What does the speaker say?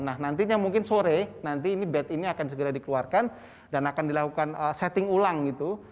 nah nantinya mungkin sore nanti ini bed ini akan segera dikeluarkan dan akan dilakukan setting ulang gitu